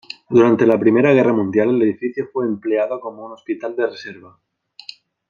Durante la Primera Guerra Mundial el edificio fue empleado como un hospital de reserva.